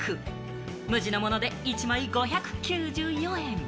無地のもので１枚５９４円。